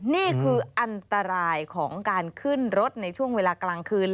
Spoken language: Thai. นี่คืออันตรายของการขึ้นรถในช่วงเวลากลางคืน